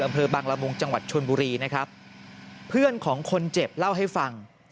อำเภอบังละมุงจังหวัดชนบุรีนะครับเพื่อนของคนเจ็บเล่าให้ฟัง